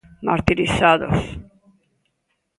Martirizados.